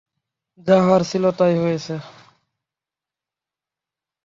যা হওয়ার ছিল তাই হয়েছে।